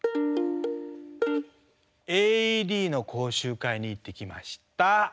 ＡＥＤの講習会に行ってきました。